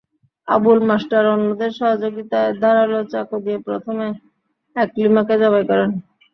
Abul master অন্যদের সহযোগিতায় ধারালো চাকু দিয়ে প্রথমে আকলিমাকে জবাই করেন।